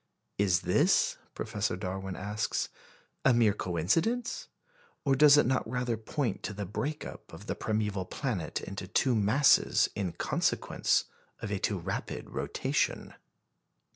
"Is this," Professor Darwin asks, "a mere coincidence, or does it not rather point to the break up of the primeval planet into two masses in consequence of a too rapid rotation?"